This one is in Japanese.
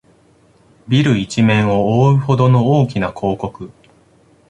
ビル一面をおおうほどの大きな広告